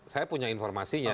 saya punya informasinya